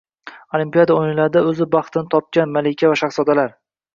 Olimpiada o‘yinlarida o‘z baxtini topgan malika va shahzodalar